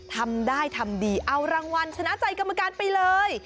ทำได้ทำดีเอารางวัลชนะใจกรรมการไปเลย